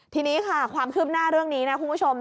ทีนี้ค่ะความคืบหน้าเรื่องนี้นะคุณผู้ชม